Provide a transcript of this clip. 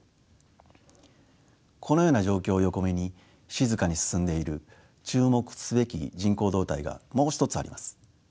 このような状況を横目に静かに進んでいる注目すべき人口動態がもう一つあります。